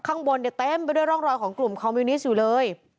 ข้างบนเนี่ยเต็มไปด้วยร่องรอยของกลุ่มคอมมิวนิสต์อยู่เลย